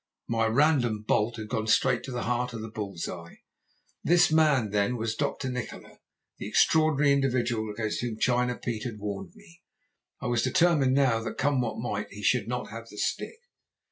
My random bolt had gone straight to the heart of the bulls eye. This man then was Dr. Nikola, the extraordinary individual against whom China Pete had warned me. I was determined now that, come what might, he should not have the stick.